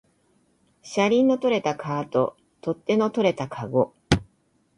車輪の取れたカート、取っ手の取れたかご